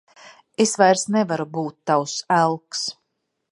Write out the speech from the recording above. Es vairs nevaru būt tavs elks.